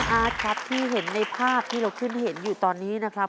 อาร์ตครับที่เห็นในภาพที่เราขึ้นเห็นอยู่ตอนนี้นะครับ